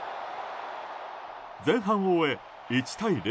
前半を終え１対０。